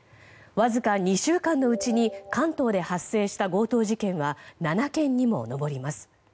わずか２週間のうちに関東で発生した強盗事件は７件にも上ります。